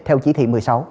theo chỉ thị một mươi sáu